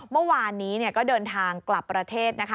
เมื่อวานนี้ก็เดินทางกลับประเทศนะคะ